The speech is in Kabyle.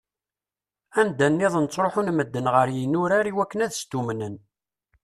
Anda-nniḍen ttruḥun medden ɣer yinurar i wakken ad stummnen.